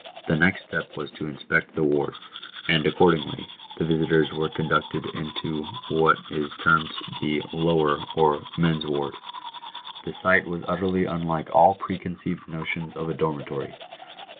The next step was to inspect the wards; and, accordingly, the visitors were conducted into what is termed the " lower," or men's ward. The sight was utterly unlike all preconceived notions of a dormitory.